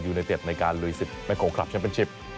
อยู่ในเต็ดในการลุยสิทธิ์แม่โครคลับชันเป็นชิป